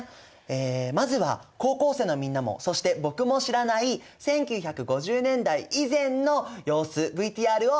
まずは高校生のみんなもそして僕も知らない１９５０年代以前の様子ＶＴＲを見てみましょう！